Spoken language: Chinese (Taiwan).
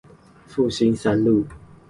復興三路